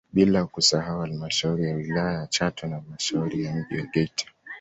Blia kusahau halmashauri ya wilaya ya Chato na halmasahauri ya mji wa Geita